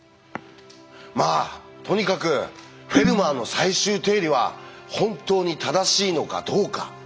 まあとにかく「フェルマーの最終定理」は本当に正しいのかどうか？